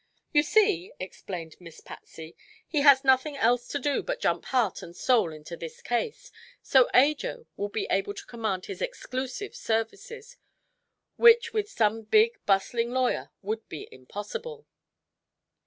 "You see," explained Miss Patsy, "he has nothing else to do but jump heart and soul into this case, so Ajo will be able to command his exclusive services, which with some big, bustling lawyer would be impossible."